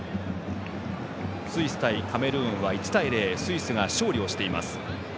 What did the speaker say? スイス対カメルーンは１対０でスイスが勝利しています。